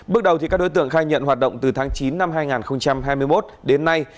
bước đầu các đối tượng khai nhận hoạt động từ tháng chín năm hai nghìn hai mươi một đến nay